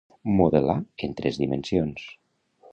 Modelar en tres dimensions.